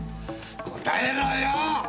答えろよ！